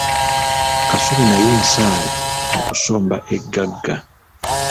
Kasubi naye nsaale mu kusomba egagga.